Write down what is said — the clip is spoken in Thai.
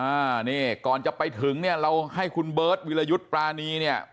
อ่านี่ก่อนจะไปถึงเนี่ยเราให้คุณเบิร์ตวิรยุทธ์ปรานีเนี่ย